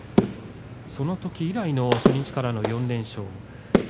そのとき以来の初日からの４連勝。